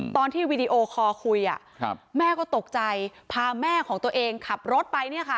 วีดีโอคอลคุยแม่ก็ตกใจพาแม่ของตัวเองขับรถไป